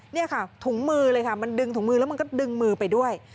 นี่ค่ะถุงมือเลยค่ะมันดึงถุงมือแล้วมันก็ดึงมือไปด้วย